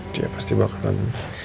dia pasti bakalan